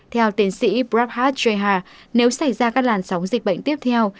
theo tin sĩ prabhat jha nếu xảy ra các làn sóng dịch bệnh tiếp theo